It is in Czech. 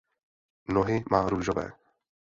Nohy má růžové.